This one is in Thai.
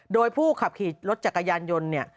โดยผู้ขับขี่รถจักรยานยนต์เนี่ย